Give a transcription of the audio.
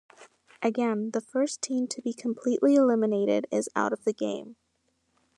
Again, the first team to be completely eliminated is out of the game.